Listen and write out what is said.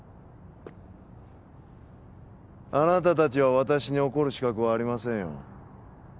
あなた達は私に怒る資格はありませんよ